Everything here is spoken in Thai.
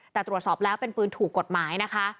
แต่ตรวจสอบแล้วเป็นปืนถูกกฎหมายนะคะ